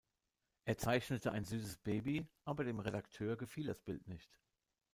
Er zeichnete ein süßes Baby, aber dem Redakteur gefiel das Bild nicht.